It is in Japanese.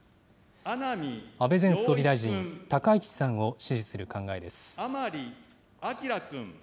安倍前総理大臣、高市さんを支持する考えです。